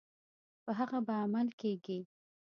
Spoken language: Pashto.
په هغه به عمل کیږي.